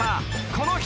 この人］